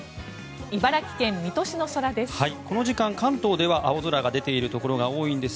茨城県水戸市の空です。